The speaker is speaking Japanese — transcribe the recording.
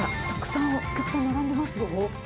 たくさんお客さん並んでますよ。